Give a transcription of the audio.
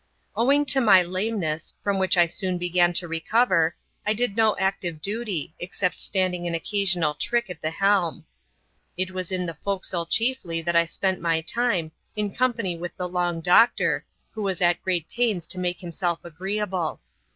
Owing to my lameness, from which I soon began to recover, I did no active duty, except standing an occasional " trick " at the helm. It was in the forecastle chiefly that I spent my time, in company with the Long Doctor, who was at great pains to make himself agreeable.